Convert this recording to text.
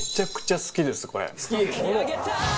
好き？